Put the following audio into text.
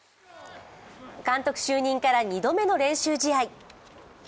監督就任から２度目の練習試合。